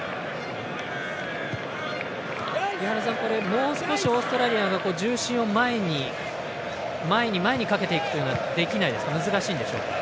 もう少しオーストラリアが重心を前に前にかけていくというのはできないんでしょうか？